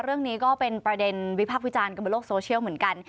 เรื่องนี้ก็เป็นประเด็นวิพากษ์วิจารณ์กันบนโลกโซเชียลเหมือนกัน